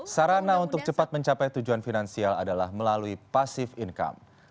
sarana untuk cepat mencapai tujuan finansial adalah melalui pasif income